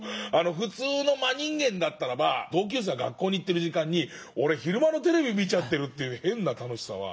普通の真人間だったら同級生は学校に行ってる時間に「俺昼間のテレビ見ちゃってる」という変な楽しさは。